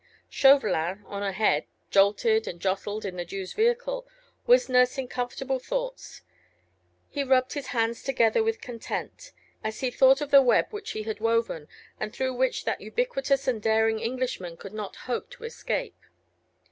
Chauvelin, on ahead, jolted and jostled in the Jew's vehicle, was nursing comfortable thoughts. He rubbed his hands together, with content, as he thought of the web which he had woven, and through which that ubiquitous and daring Englishman could not hope to escape.